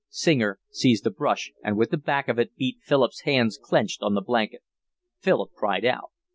Singer seized a brush and with the back of it beat Philip's hands clenched on the blanket. Philip cried out.